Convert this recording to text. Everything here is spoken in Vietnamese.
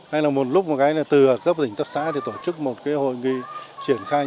hay là một lúc từ cấp tỉnh tập xã tổ chức một hội nghị triển khai